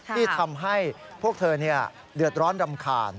ที่ทำให้พวกเธอเดือดร้อนรำคาญ